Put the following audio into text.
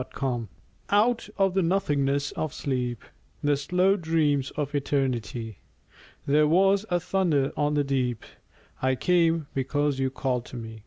The Call Out of the nothingness of sleep, The slow dreams of Eternity, There was a thunder on the deep: I came, because you called to me.